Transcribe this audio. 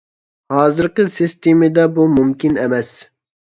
ھازىرقى سىستېمىدا ، بۇ مۇمكىن ئەمەس.